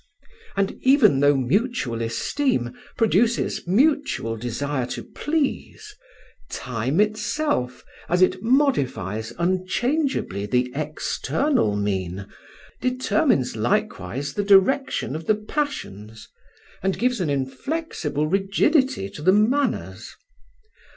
And even though mutual esteem produces mutual desire to please, time itself, as it modifies unchangeably the external mien, determines likewise the direction of the passions, and gives an inflexible rigidity to the manners.